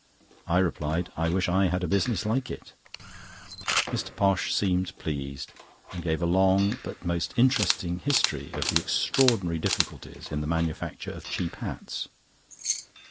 I replied: "I wish I had a business like it." Mr. Posh seemed pleased, and gave a long but most interesting history of the extraordinary difficulties in the manufacture of cheap hats.